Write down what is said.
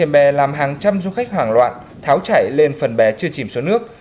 bè làm hàng trăm du khách hoảng loạn tháo chảy lên phần bè chưa chìm xuống nước